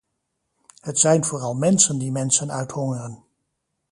Het zijn vooral mensen die mensen uithongeren.